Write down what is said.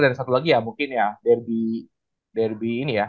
dan satu lagi ya mungkin ya derby ini ya